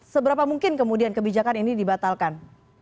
seberapa mungkin kemudian kebijakan ini dibatalkan